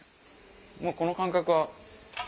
もうこの感覚は。